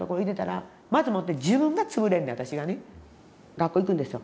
学校行くんですよ。